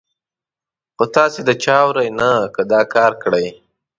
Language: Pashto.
خو تاسې د چا اورئ نه، که دا کار کړئ.